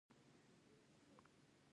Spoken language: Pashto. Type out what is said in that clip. هغه په دې پیسو خپلې اړتیاوې پوره کوي